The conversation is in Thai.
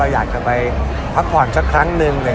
อยากจะไปพักผ่อนสักครั้งหนึ่ง